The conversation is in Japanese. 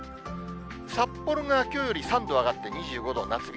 札幌がきょうより３度上がって２５度、夏日。